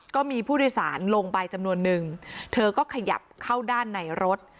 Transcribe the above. ก็มีผู้โดยสารลงไปจำนวนนึงเธอก็ขยับเข้าด้านในรถ